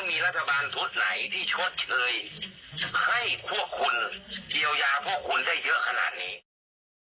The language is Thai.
มีรัฐบาลชุดไหนที่ชดเชยให้พวกคุณเยียวยาพวกคุณได้เยอะขนาดนี้นะครับ